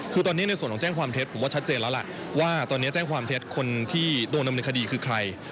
คือตอนนี้ในส่วนของแจ้งความเท็จผมว่าชัดเจนแล้วล่ะว่าตอนนี้แจ้งความเท็จคนที่โดนดำเนินคดีคือใคร